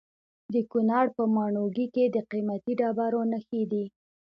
د کونړ په ماڼوګي کې د قیمتي ډبرو نښې دي.